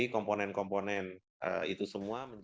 komponen komponen itu semua